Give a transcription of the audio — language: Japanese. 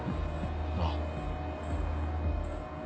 ああ。